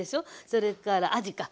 それからあじか。